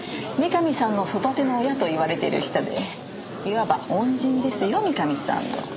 三上さんの育ての親と言われている人でいわば恩人ですよ三上さんの。